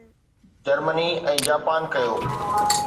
Germany ۽ Japan ڪيو